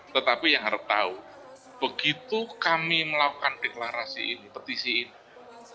tetapi yang harap tahu begitu kami melakukan deklarasi ini petisi ini